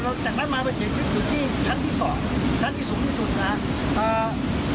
แล้วก็จากนั้นมาไปเสร็จที่ชั้นที่๒ชั้นที่สูงที่สุดนะ